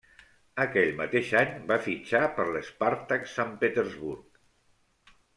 Aquell mateix any va fitxar per l'Spartak Sant Petersburg.